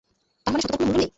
তারমানে সততার কোন মূল্য নেই?